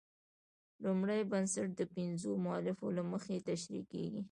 لومړی بنسټ د پنځو مولفو له مخې تشرېح کیږي.